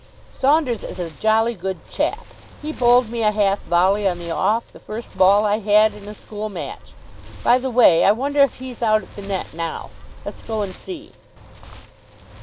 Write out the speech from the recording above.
"Saunders is a jolly good chap. He bowled me a half volley on the off the first ball I had in a school match. By the way, I wonder if he's out at the net now. Let's go and see."